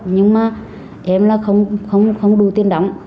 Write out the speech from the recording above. nhưng mà em là không đủ tiền đóng